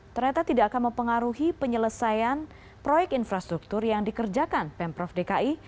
ternyata tidak akan mempengaruhi penyelesaian proyek infrastruktur yang dikerjakan pemprov dki